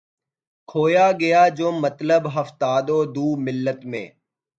کھویا گیا جو مطلب ہفتاد و دو ملت میں